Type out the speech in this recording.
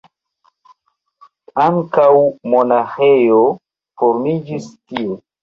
Ankaŭ monaĥejo formiĝis tie.